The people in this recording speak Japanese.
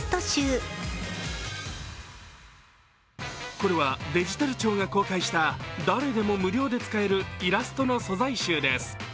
これはデジタル庁が公開した誰でも無料で使えるイラストの素材集です。